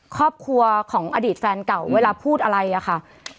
ครอบครัวของอดีตแฟนเก่าเวลาพูดอะไรอะค่ะ